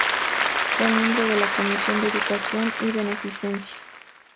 Fue miembro de la Comisión de Educación y Beneficencia.